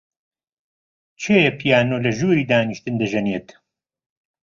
کێیە پیانۆ لە ژووری دانیشتن دەژەنێت؟